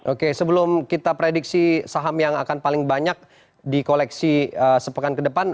oke sebelum kita prediksi saham yang akan paling banyak di koleksi sepekan ke depan